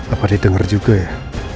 apa didengar juga ya